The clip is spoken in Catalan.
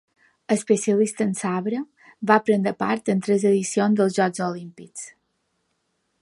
Especialista en sabre, va prendre part en tres edicions dels Jocs Olímpics.